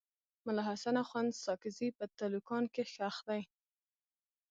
ملا حسن اخند ساکزی په تلوکان کي ښخ دی.